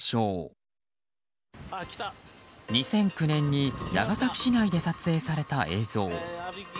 ２００９年に長崎市内で撮影された映像。